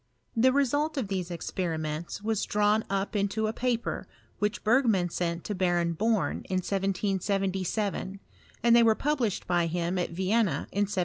The result of these experi ments was drawn up into a paper, which Bei^man sent to Baron Born in 1777, and they were pub lished by him at Vienna in 1779.